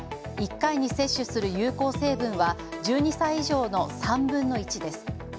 １回に接種する有効成分は、１２歳以上の３分の１です。